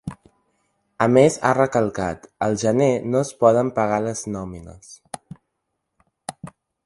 A més ha recalcat: Al gener no es poden pagar les nòmines.